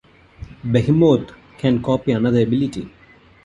Behemoth can copy another ability.